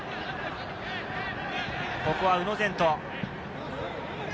ここは宇野禅斗。